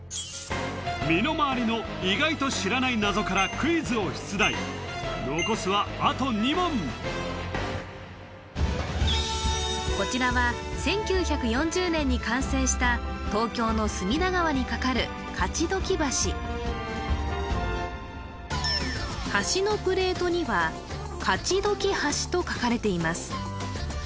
身の回りの意外と知らない謎からクイズを出題残すはあと２問こちらは１９４０年に完成した東京の隅田川にかかる橋のプレートには「かちどきはし」と書かれています